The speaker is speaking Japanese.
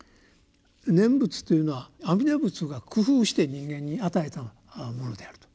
念仏というのは阿弥陀仏が工夫して人間に与えたものであると。